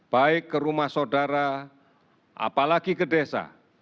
baik ke rumah saudara apalagi ke desa